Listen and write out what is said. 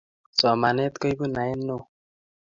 Somanet koipu naet neo